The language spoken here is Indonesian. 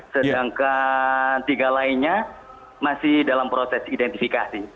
sedangkan tiga lainnya masih dalam proses identifikasi